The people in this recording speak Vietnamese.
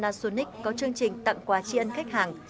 panasonic có chương trình tặng quà chị ân khách hàng